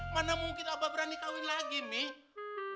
mana mungkin abah berani kawin lagi nih